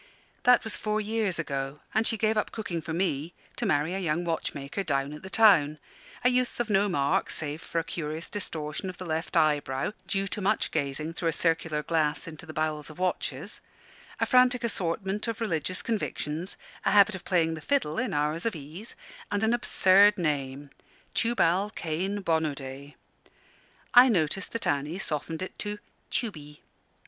That was four years ago; and she gave up cooking for me to marry a young watchmaker down at the town a youth of no mark save for a curious distortion of the left eyebrow (due to much gazing through a circular glass into the bowels of watches), a frantic assortment of religious convictions, a habit of playing the fiddle in hours of ease, and an absurd name Tubal Cain Bonaday. I noticed that Annie softened it to "Tubey."